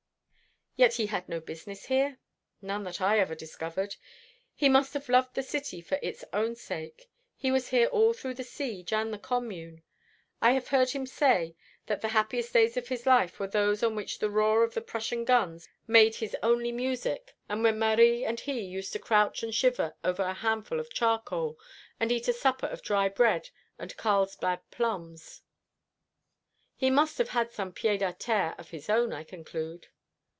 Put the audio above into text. "Yet he had no business here?" "None that I ever discovered. He must have loved the city for its own sake. He was here all through the siege and the Commune. I have heard him say that the happiest days of his life were those on which the roar of the Prussian guns made his only music, and when Marie and he used to crouch and shiver over a handful of charcoal, and eat a supper of dry bread and Carlsbad plums." "He must have had some pied à terre of his own, I conclude."